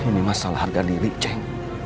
ini masalah harga diri ceng